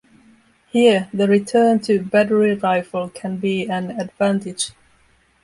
Here, the return to battery rifle can be an advantage.